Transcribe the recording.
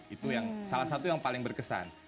itu yang salah satu yang paling berkesan